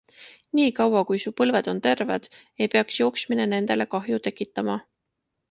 Nii kaua, kui su põlved on terved, ei peaks jooksmine nendele kahju tekitama.